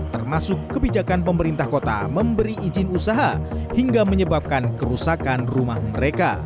termasuk kebijakan pemerintah kota memberi izin usaha hingga menyebabkan kerusakan rumah mereka